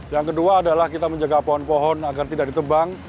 yang kedua adalah kita menjaga pohon pohon agar tidak ditebang